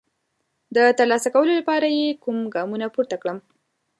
د ترلاسه کولو لپاره یې کوم ګامونه پورته کړم؟